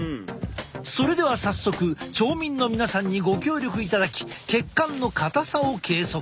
それでは早速町民の皆さんにご協力いただき血管の硬さを計測。